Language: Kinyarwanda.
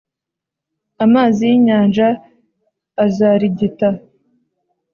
Amazi y’inyanja azarigita,